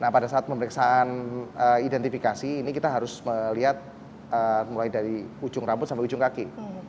nah pada saat pemeriksaan identifikasi ini kita harus melihat mulai dari ujung rambut sampai ujung kaki